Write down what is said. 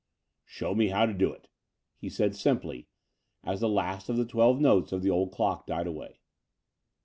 "Show me how to do it," he said simply, as the last of the twelve notes of the old clock died away.